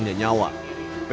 dan menyangkut nyawa